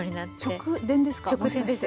直電です。